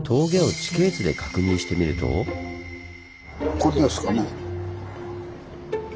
これですかね。